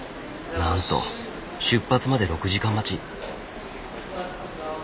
なんと出発まで６時間待ち。